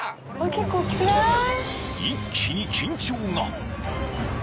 ［一気に緊張が！］